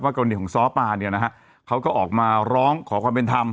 กรณีของซ้อปลาเนี่ยนะฮะเขาก็ออกมาร้องขอความเป็นธรรม